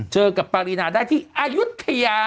เจอกับปารีนาได้ที่อายุทยา